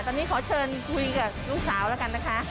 ตอนนี้ขอเชิญคุยกับลูกสาวแล้วกันนะคะ